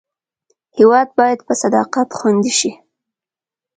هېواد باید په صداقت خوندي شي.